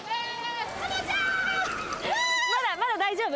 まだまだ大丈夫？